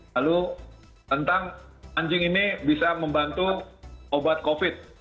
lalu tentang anjing ini bisa membantu obat covid